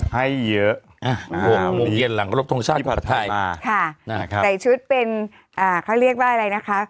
ให้เยอะ๖โมงเย็นหลังรบทรงชาติภาษาไทยใส่ชุดเป็นเขาเรียกว่าอะไรนะคะ